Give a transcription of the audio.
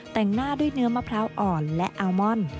แต่งหน้าด้วยเนื้อมะพร้าวอ่อนและอัลมอน